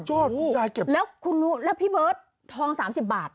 โอ้โหแล้วพี่เบิร์ดทอง๓๐บาท